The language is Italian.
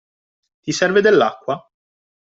Ti serve dell'acqua?